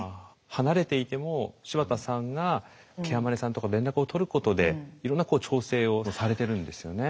離れていても柴田さんがケアマネさんとか連絡をとることでいろんな調整をされてるんですよね。